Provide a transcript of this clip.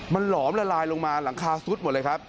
มันหลอมละลายลงมาหลังคาซุดหมดเลยครับ